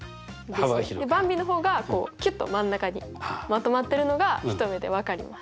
ばんびの方がキュッと真ん中にまとまってるのが一目で分かります。